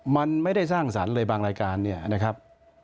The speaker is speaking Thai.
มันไม่ได้สร้างสรรค์เลยบางรายการเนี่ยนะครับ